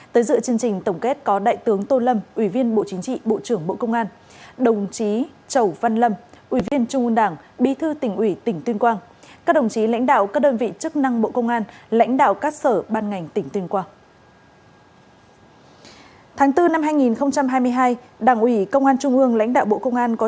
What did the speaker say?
tháng bốn năm hai nghìn hai mươi hai đảng ủy công an trung ương lãnh đạo bộ công an có chủ trương hỗ trợ triển khai xây dựng một bốn trăm linh căn nhà ở